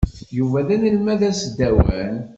Yuba d anelmad asdawan.